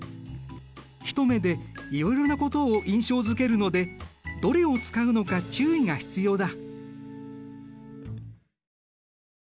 一目でいろいろなことを印象づけるのでどれを使うのか注意が必要だ。